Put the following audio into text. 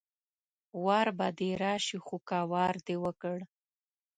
وار به دې راشي خو که وار دې وکړ